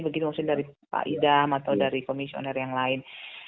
begitu maksudnya dari pak idam atau dari komisioner yang lain